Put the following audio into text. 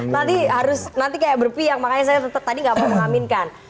nanti harus nanti kayak berpiang makanya saya tetap tadi nggak mau mengaminkan